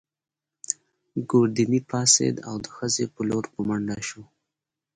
ګوردیني پاڅېد او د خزې په لور په منډه شو.